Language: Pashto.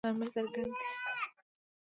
د واقعي مزد د ټیټېدو لومړنی لامل څرګند دی